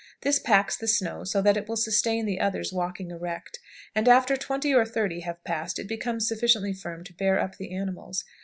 This packs the snow so that it will sustain the others walking erect, and after 20 or 30 have passed it becomes sufficiently firm to bear up the animals.